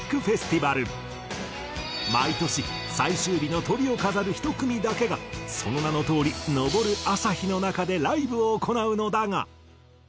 毎年最終日のトリを飾る１組だけがその名のとおり昇る朝陽の中でライブを行うのだが。